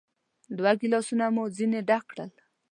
دوه ګیلاسونه مو ځینې ډک کړل.